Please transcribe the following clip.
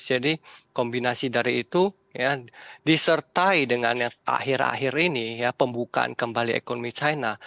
jadi kombinasi dari itu ya disertai dengan yang akhir akhir ini ya pembukaan kembali ekonomi china